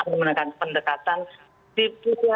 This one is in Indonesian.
atau menggunakan pendekatan di dialogkan saja